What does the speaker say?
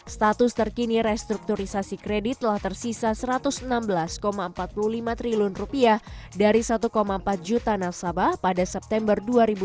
status terkini restrukturisasi kredit telah tersisa rp satu ratus enam belas empat puluh lima triliun dari rp satu empat juta nasabah pada september dua ribu dua puluh